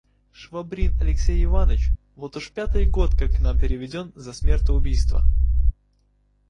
Швабрин Алексей Иваныч вот уж пятый год как к нам переведен за смертоубийство.